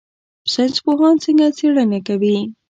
ساینس پوهان څنګه څیړنه کوي؟